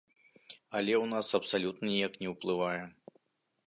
Але ў нас абсалютна ніяк не ўплывае.